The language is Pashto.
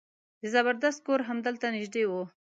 د زبردست کور همدلته نژدې و.